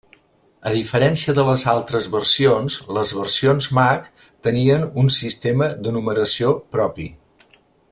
A diferència de les altres versions, les versions Mac tenien un sistema de numeració propi.